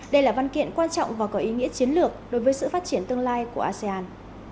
đây là văn kiện quan trọng và có ý nghĩa chiến lược đối với sự phát triển tương lai của asean